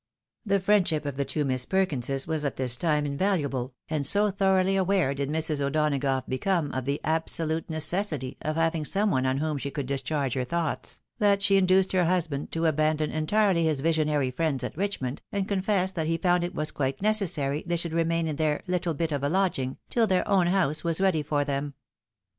The friendship of the two Miss Perkinses was at this time invaluable, and so thoroughly aware did Mrs. O'Donagough become of the absolute necessity of having some one on whom she could discharge her thoughts, that she induced her husband to abandon entirely his visionary friends at Richmond, and con fess that he found it was quite necessary they should remain in their " little bit of a lodging," tUl their " own house " was ready for them.